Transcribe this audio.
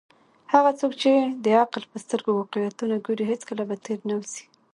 هغه څوک چې د عقل په سترګو واقعیتونه ګوري، هیڅکله به تیر نه وزي.